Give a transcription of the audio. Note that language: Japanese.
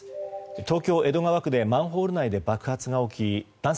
東京・江戸川区でマンホール内で爆発が起き男性